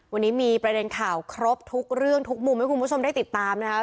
วันนี้มีประเด็นข่าวครบทุกเรื่องทุกมุมให้คุณผู้ชมได้ติดตามนะครับ